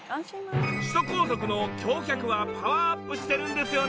首都高速の橋脚はパワーアップしてるんですよね？